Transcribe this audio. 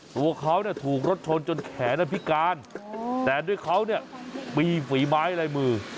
หัวเขาเนี่ยถูกรถชนจนแขนอภิการโอ้แต่ด้วยเขาเนี่ยปีฝีไม้อะไรมือ